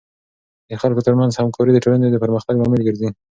د خلکو ترمنځ همکاري د ټولنې د پرمختګ لامل ګرځي.